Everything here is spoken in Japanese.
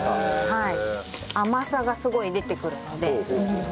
はい。